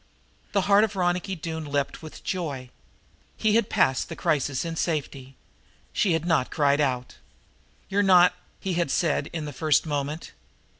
The heart of Ronicky Doone leaped with joy; he had passed the crisis in safety. She had not cried out. "You're not " he had said in the first moment.